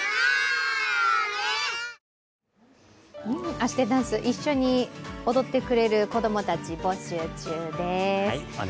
あし天ダンス、一緒に踊ってくれる子供たち募集中です。